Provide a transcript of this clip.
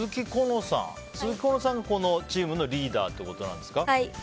鈴木小暖さんがこのチームのリーダってことなんですか？